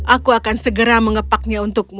aku akan segera mengepaknya untukmu